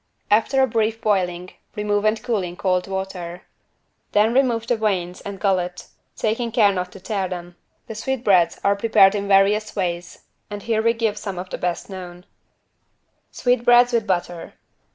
After a brief boiling remove and cool in cold water. Then remove the veins and gullet, taking care not to tear them. The sweetbreads are prepared in various ways and here we give some of the best known: =Sweetbreads with butter.